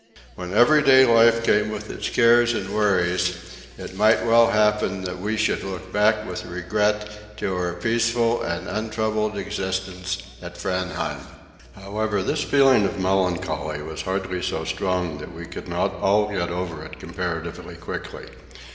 When everyday life came with its cares and worries, it might well happen that we should look back with regret to our peaceful and untroubled existence at Framheim. However, this feeling of melancholy was hardly so strong that we could not all get over it comparatively quickly.